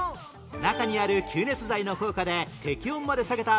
中にある吸熱剤の効果で適温まで下げた